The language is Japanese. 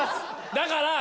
「だからぁ！」